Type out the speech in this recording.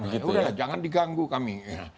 udah jangan diganggu kami